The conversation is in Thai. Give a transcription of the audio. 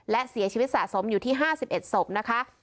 และเสียชีวิตสะสมอยู่ที่๕๑ศพนะคะ